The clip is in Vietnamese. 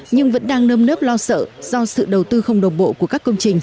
nhưng vẫn đang nơm nớp lo sợ do sự đầu tư không đồng bộ